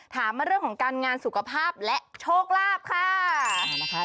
ถามมาเรื่องของการงานสุขภาพและโชคลาภค่ะนะคะ